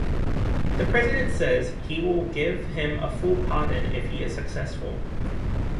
The President says he will give him a full pardon if he is successful.